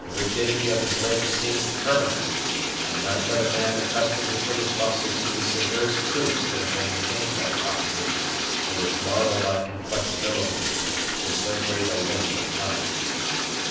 The rigidity of his limbs seemed permanent; and none but a man accustomed to put his muscles to the severest proof could have maintained that posture, with its marble like inflexibility, for so great a length of time.